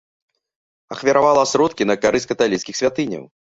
Ахвяравала сродкі на карысць каталіцкіх святыняў.